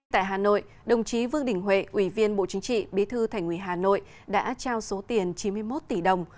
tại hà nội đồng chí vương đình huệ ủy viên bộ chính trị bí thư thành ủy hà nội đã trao số tiền chín mươi một tỷ đồng